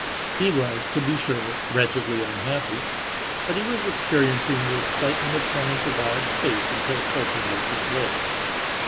He was, to be sure, wretchedly unhappy, but he was experiencing the excitement of trying to dodge Fate until Fortune looked his way.